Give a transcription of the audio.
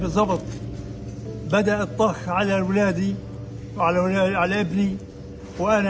saya menyerang anak anak saya dan saya tidur